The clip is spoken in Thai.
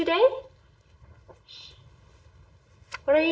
สบาย